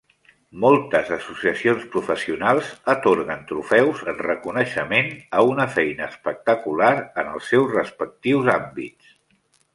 Moltes associacions professionals atorguen trofeus en reconeixement a una feina espectacular en el seus respectius àmbits.